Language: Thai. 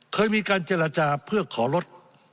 เคยมีการเจรจาเพื่อขอลด